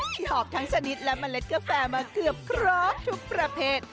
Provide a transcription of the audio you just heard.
หอบทั้งชนิดและเมล็ดกาแฟมาเกือบครบทุกประเภท